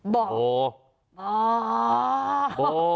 บอบอ